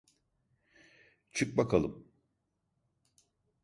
Çık bakalım.